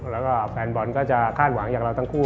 แล้วก็แฟนบอลก็จะคาดหวังอย่างเราทั้งคู่